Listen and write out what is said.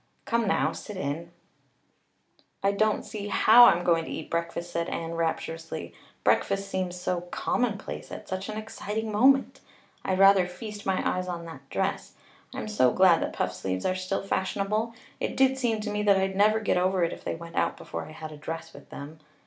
Come now, sit in." "I don't see how I'm going to eat breakfast," said Anne rapturously. "Breakfast seems so commonplace at such an exciting moment. I'd rather feast my eyes on that dress. I'm so glad that puffed sleeves are still fashionable. It did seem to me that I'd never get over it if they went out before I had a dress with them.